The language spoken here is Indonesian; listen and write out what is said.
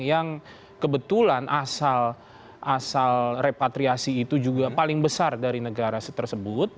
yang kebetulan asal repatriasi itu juga paling besar dari negara tersebut